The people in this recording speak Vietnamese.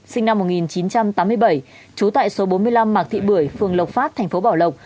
sinh năm một nghìn chín trăm tám mươi bảy chú tại số bốn mươi năm mạc thị bưởi phường lộc pháp tp bảo lộc